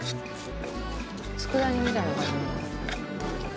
つくだ煮みたいな感じ。